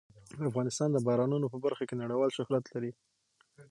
افغانستان د بارانونو په برخه کې نړیوال شهرت لري.